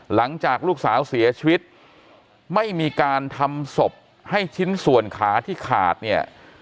หลังจากลูกสาวเสียชีวิตไม่มีการทำศพให้ชิ้นส่วนขาที่ขาดเนี่ย